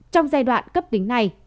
trong giai đoạn cấp tính này